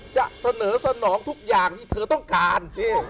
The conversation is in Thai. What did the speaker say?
จะเสนอสนองทุกอย่างที่เธอต้องการ